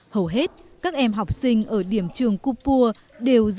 hầu hết các em học sinh ở điểm trường cục pua không có gì